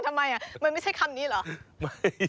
ทำไมมันไม่ใช่คำนี้เหรอ